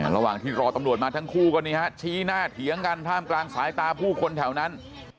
ระหว่างที่รอตำรวจมาทั้งคู่ก็นี่ฮะชี้หน้าเถียงกันท่ามกลางสายตาผู้คนแถวนั้น